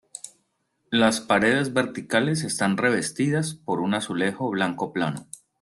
Las paredes verticales están revestidas por un azulejo blanco plano.